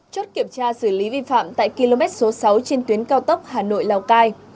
chốt kiểm tra xử lý vi phạm tại km số sáu trên tuyến cao tốc hà nội lào cai